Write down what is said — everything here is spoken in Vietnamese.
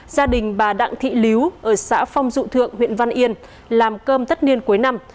gia đình bà đặng thị líu ở xã phong dụ thượng huyện văn yên làm cơm tất niên cuối năm